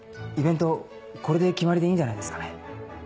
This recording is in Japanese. イベントこれで決まりでいいんじゃないですかね？